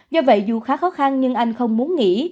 do vậy dù khá khó khăn nhưng anh không muốn nghỉ